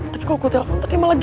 tapi kalau gue telepon tadi malah gr